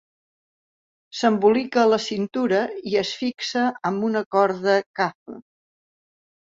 S'embolica a la cintura i es fixa amb una corda kafa.